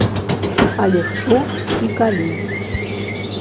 Але хто і калі?